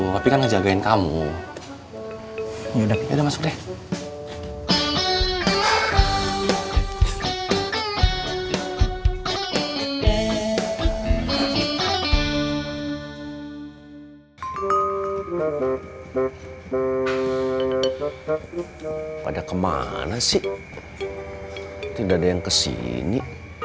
tapi kan ngejagain kamu ya udah udah masuk deh pada kemana sih tidak ada yang kesini